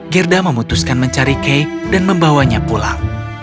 girda memutuskan mencari kay dan membawanya pulang